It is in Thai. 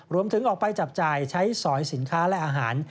รวมถึงออกไปจับจ่ายเศยสอยสินค้าและอาหาร